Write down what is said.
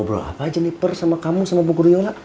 ngobrol apa jeniper sama kamu sama bukuru yola